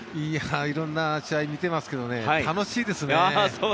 色んな試合を見ていますけど楽しいですね。